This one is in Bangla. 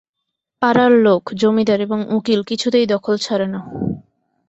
পাড়ার লোক, জমিদার এবং উকিল কিছুতেই দখল ছাড়ে না।